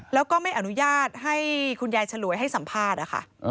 แล้วก็ไม่อนุญาตให้คุณยายฉลวยให้สัมภาษณ์นะคะ